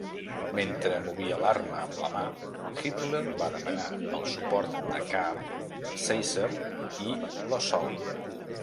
Mentre movia l'arma amb la mà, Hitler va demanar el suport de Kahr, Seisser i Lossow.